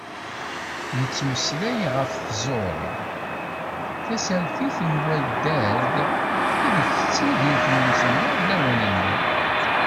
Nettmeslay ɣef tẓuri, tasertit d waddad ideg tettidir tmurt-nneɣ lawan-nni.